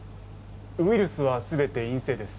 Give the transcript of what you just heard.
ウイルスは全て陰性です。